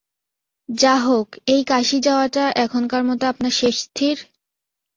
যা হউক, এই কাশী যাওয়াটা এখনকার মতো আপনার শেষ স্থির?